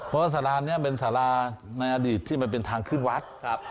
เพราะว่าสารานี้เป็นสาราในอดีตที่มันเป็นทางขึ้นวัด